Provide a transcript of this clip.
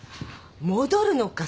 戻るのか